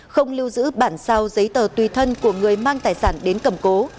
không lưu giữ bản sao giấy tờ tùy thân của người mang tài sản đến cầm cố